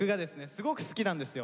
すごく好きなんですよ。